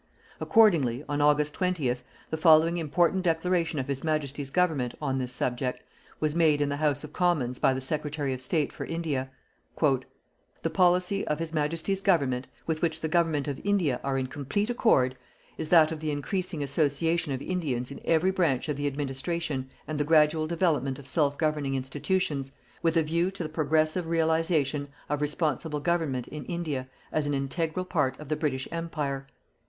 Accordingly, on August 20th, the following important declaration of His Majesty's Government on this subject was made in the House of Commons by the Secretary of State for India: "The policy of His Majesty's Government, with which the Government of India are in complete accord, is that of the increasing association of Indians in every branch of the administration and the gradual development of self governing institutions with a view to the progressive realization of responsible government in India as an integral part of the British Empire.